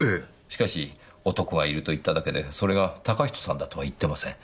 しかし男がいると言っただけでそれが嵩人さんだとは言ってません。